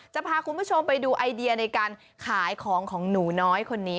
จะพาคุณผู้ชมไปดูไอเดียในการขายของของหนูน้อยคนนี้